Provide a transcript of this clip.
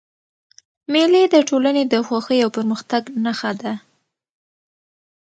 مېلې د ټولني د خوښۍ او پرمختګ نخښه ده.